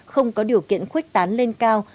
không có điều kiện khuếch tán lên cao